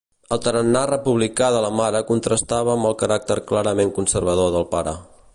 El tarannà republicà de la mare contrastava amb el caràcter clarament conservador del pare.